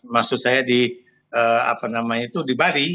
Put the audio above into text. maksud saya di apa namanya itu di bali